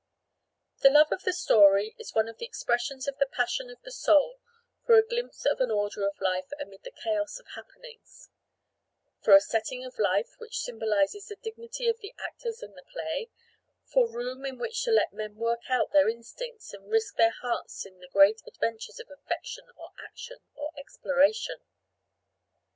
The love of the story is one of the expressions of the passion of the soul for a glimpse of an order of life amid the chaos of happenings; for a setting of life which symbolises the dignity of the actors in the play; for room in which to let men work out their instincts and risk their hearts in the great adventures of affection or action or exploration.